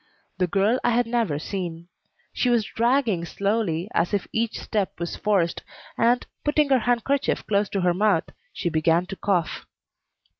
The girl I had never seen. She was dragging slowly, as if each step was forced, and, putting her handkerchief close to her mouth, she began to cough.